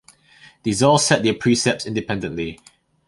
These all set their precepts independently.